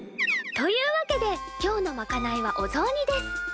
というわけで今日のまかないはおぞうにです。